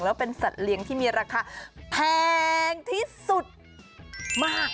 แล้วเป็นสัตว์เลี้ยงที่มีราคาแพงที่สุดมาก